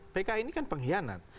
pki ini kan pengkhianat